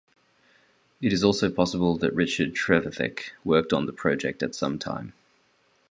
It is also possible that Richard Trevithick worked on the project at some time.